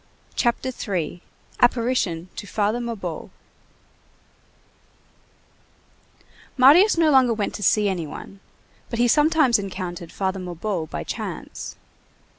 CHAPTER III—APPARITION TO FATHER MABEUF Marius no longer went to see any one, but he sometimes encountered Father Mabeuf by chance.